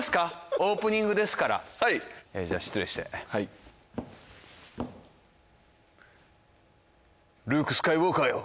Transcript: オープニングですからじゃ失礼してルーク・スカイウォーカーよ